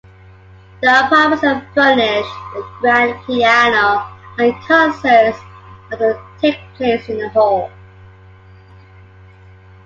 The apartments are furnished with a grand piano, and concerts often take place in the hall.